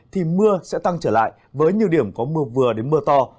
thì mưa sẽ tăng trở lại với nhiều điểm có mưa vừa đến mưa to